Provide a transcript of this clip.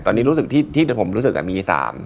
ตอนนี้รู้สึกที่ผมรู้สึกมี๓